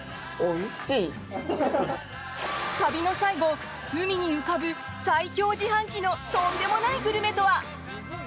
旅の最後海に浮かぶ最強自販機のとんでもないグルメとは？